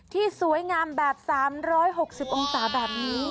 ที่สวยงามแบบ๓๖๐องศาแบบนี้